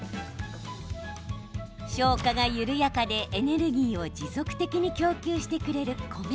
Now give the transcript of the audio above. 消化が緩やかでエネルギーを持続的に供給してくれる米。